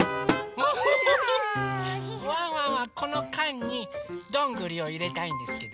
ワンワンはこのかんにどんぐりをいれたいんですけど。